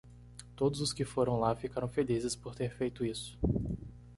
Todos os que foram lá ficaram felizes por ter feito isso.